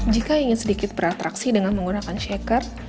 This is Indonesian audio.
jika ingin sedikit beratraksi dengan menggunakan shaker